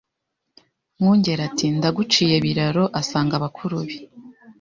Mwungeli ati Ndaguciye Biraro asanga bakuru be